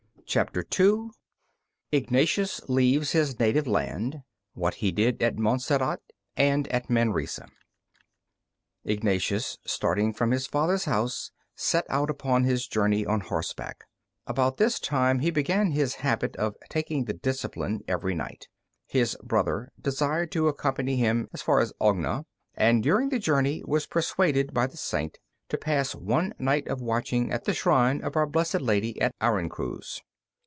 CHAPTER II IGNATIUS LEAVES HIS NATIVE LAND WHAT HE DID AT MONTSERRAT AND AT MANRESA Ignatius, starting from his father's house, set out upon his journey on horseback. About this time he began his habit of taking the discipline every night. His brother desired to accompany him as far as Ogna, and during the journey was persuaded by the Saint to pass one night of watching at the shrine of Our Blessed Lady at Aruncuz.